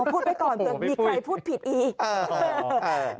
พูดไปก่อนเดี๋ยวมีใครพูดผิดอีก